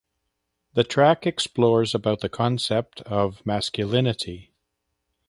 The track explores about the concept of masculinity.